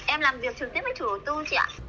em làm việc trực tiếp với chủ tư chị ạ